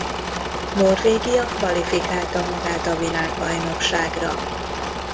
Norvégia kvalifikálta magát a világbajnokságra.